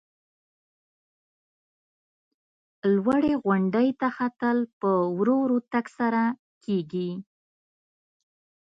لوړې غونډۍ ته ختل په ورو ورو تګ سره کېږي.